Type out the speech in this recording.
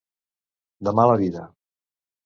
De mala vida.